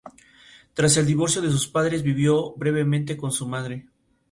Tras el divorcio de sus padres, vivió brevemente con su madre.